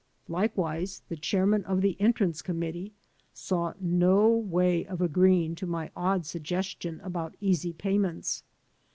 Likewise, the chairman of the Entrance Committee saw no way of agreeing to my odd suggestion about easy payments.